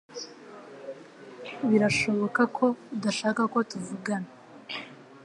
Birashoboka ko udashaka ko tuvugana